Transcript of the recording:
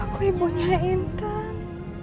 aku ibunya intan